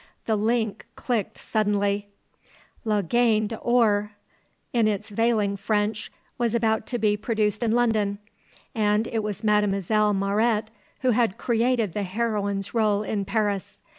The link clicked suddenly. La Gaine d'Or, in its veiling French, was about to be produced in London, and it was Mlle. Mauret who had created the heroine's role in Paris.